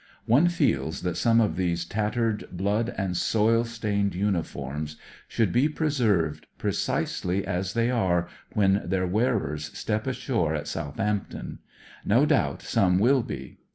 One feels that some of these tattered, blood and soil stained uniforms should be preserved precisely as they are when their wearers step ashore at South ampton. No doubt some will be.